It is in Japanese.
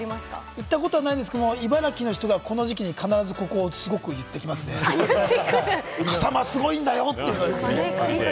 行ったことはないんだけれども、茨城の人がこの時期、必ずこの地域、言ってきますね、笠間すごいんだよって。